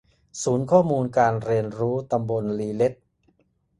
ศูนย์ข้อมูลการเรียนรู้ตำบลลีเล็ด